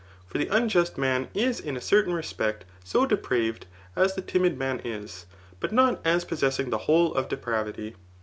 For the unjust man is in a certain respect so de praved, as the timid man is ; but not as possessing the whole of depravity.